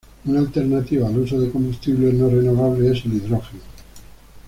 Una alternativa al uso de combustibles no renovables es el hidrógeno.